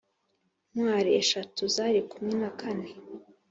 ntwari eshatu zari kumwe na kane